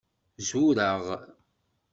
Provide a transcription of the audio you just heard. Zureɣ.